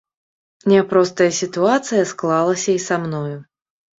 Няпростая сітуацыя склалася і са мною.